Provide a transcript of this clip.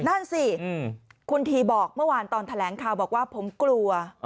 นั่นสิคุณทีบอกเมื่อวานตอนแถลงข่าวบอกว่าผมกลัว